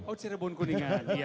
oh cirebon kuningan